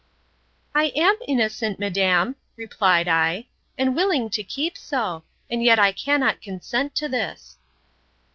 I am innocent, madam, replied I, and willing to keep so; and yet I cannot consent to this.